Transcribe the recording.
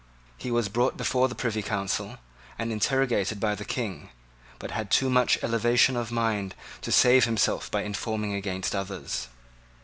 He was brought before the Privy Council, and interrogated by the King, but had too much elevation of mind to save himself by informing against others.